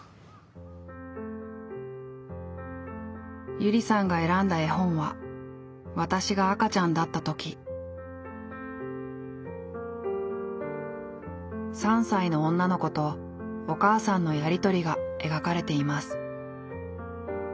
ゆりさんが選んだ絵本は３歳の女の子とお母さんのやりとりが描かれています。